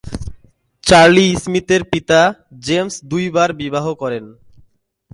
Charlie স্মিথের পিতা James দুইবার বিবাহ করেন।